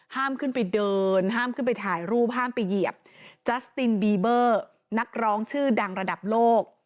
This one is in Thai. ห้ามขึ้นไปเดินห้ามขึ้นไปถ่ายรูปห้ามไปเหยียบจัสตินบีเบอร์นักร้องชื่อดังระดับโลก